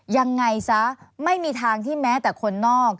ยังไงซะไม่มีทางที่แม้แต่คนนอก